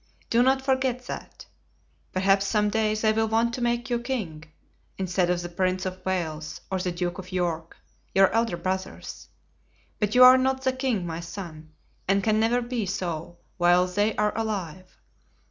Do not forget that. Perhaps some day they will want to make you king, instead of the Prince of Wales, or the Duke of York, your elder brothers. But you are not the king, my son, and can never be so while they are alive.